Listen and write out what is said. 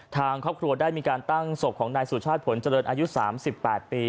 ทางครอบครัวได้มีการตั้งศพของนายสุชาติผลเจริญอายุ๓๘ปี